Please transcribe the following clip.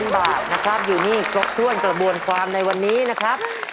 ๐บาทนะครับอยู่นี่ครบถ้วนกระบวนความในวันนี้นะครับ